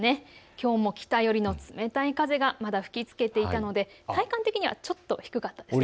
きょうも北寄りの冷たい風がまだ吹きつけていたので体感的にはちょっと低かったです。